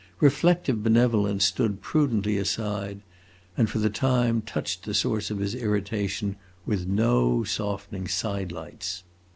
Reflective benevolence stood prudently aside, and for the time touched the source of his irritation with no softening side lights.